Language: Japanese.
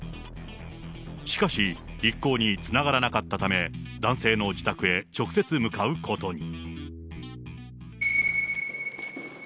しかし、一向につながらなかったため、男性の自宅へ直接向かうことに。